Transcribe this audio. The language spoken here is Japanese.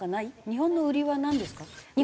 日本の売りですか？